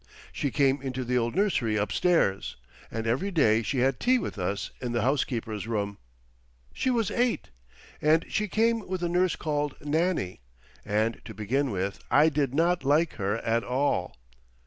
She came into the old nursery upstairs, and every day she had tea with us in the housekeeper's room. She was eight, and she came with a nurse called Nannie; and to begin with, I did not like her at all.